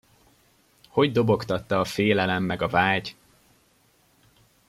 Hogy dobogtatta a félelem meg a vágy!